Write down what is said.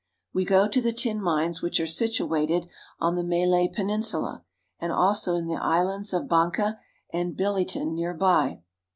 We go to the tin mines which are situated on the Ma lay Peninsula, and also in the islands of Banka and Billi ton near by.